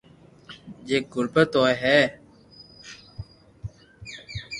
جي غريب ھوئي ھي